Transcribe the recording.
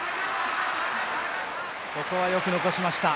ここは、よく残しました。